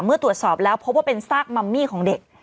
เมื่อตรวจสอบแล้วพบว่าเป็นซากมัมมี่ของเด็ก